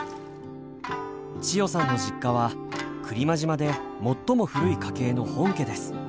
千代さんの実家は来間島で最も古い家系の本家です。